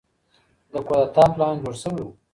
د کودتا پلان جوړ شوی و.